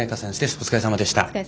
お疲れさまでした。